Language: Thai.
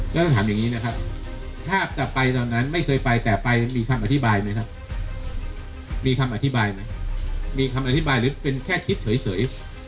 แล้วต้องถามอย่างนี้นะครับถ้าจะไปตอนนั้นไม่เคยไปแต่ไปมีคำอธิบายไหมครับมีคำอธิบายไหมมีคำอธิบายหรือเป็นแค่คิดเฉย